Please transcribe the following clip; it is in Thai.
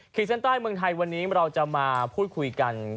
เส้นใต้เมืองไทยวันนี้เราจะมาพูดคุยกัน